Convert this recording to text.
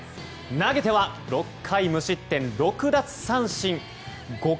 投げては６回無失点６奪三振。